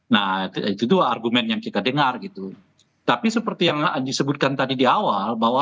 nah itu dua argumen yang kita dengar gitu tapi seperti yang disebutkan tadi di awal bahwa